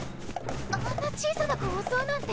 あんな小さな子を襲うなんて。